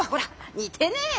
似てねえよ。